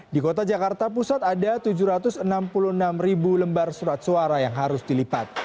di kota jakarta pusat ada tujuh ratus enam puluh enam ribu lembar surat suara yang harus dilipat